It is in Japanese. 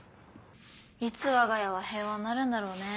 いつわが家は平和になるんだろうねぇ。